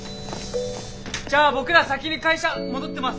じゃあ僕ら先に会社戻ってます。